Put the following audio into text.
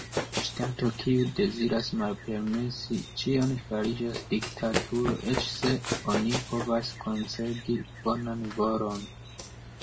Ŝtato kiu deziras malpermesi ĉion fariĝas diktaturo, eĉ se oni povas koncedi bonan volon.